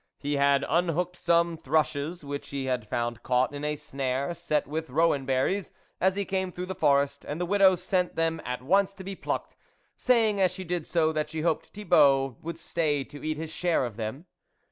He had unhooked some, thrushes which he had found caught in a snare set with rowan berries, as he came through the forest ; and the widow sent them at once to be plucked, saying as she did so, that she hoped Thibault would stay to eat his share of them.